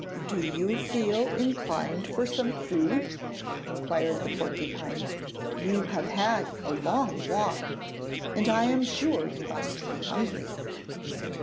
'Do you feel inclined for some food?' inquired the porcupine; 'you have had a long walk and I am sure you must be hungry.'